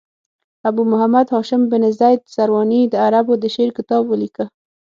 ابو محمد هاشم بن زید سرواني د عربو د شعر کتاب ولیکه.